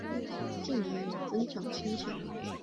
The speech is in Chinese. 近年有增长倾向。